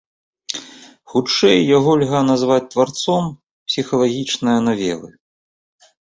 Хутчэй яго льга назваць тварцом псіхалагічнае навелы.